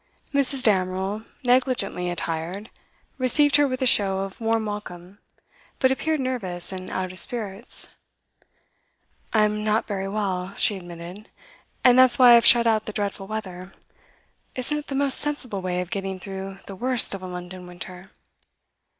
Mrs. Damerel, negligently attired, received her with a show of warm welcome, but appeared nervous and out of spirits. 'I am not very well,' she admitted, 'and that's why I have shut out the dreadful weather. Isn't it the most sensible way of getting through the worst of a London winter?